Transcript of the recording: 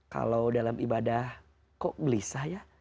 kalau dalam ibadah kok gelisah ya